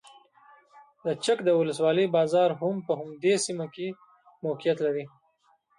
د چک د ولسوالۍ بازار هم په همدې سیمه کې موقعیت لري.